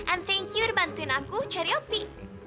and thank you udah bantuin aku cari opi